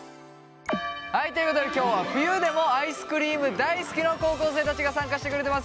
はいということで今日は冬でもアイスクリーム大好きの高校生たちが参加してくれてます。